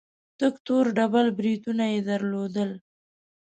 تک تور ډبل برېتونه يې درلودل.